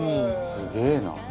「すげえな！」